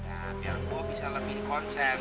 ya biar gue bisa lebih konsen